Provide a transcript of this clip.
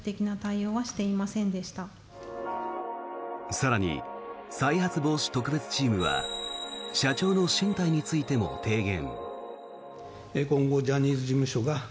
更に、再発防止特別チームは社長の進退についても提言。